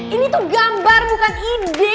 ini tuh gambar bukan ide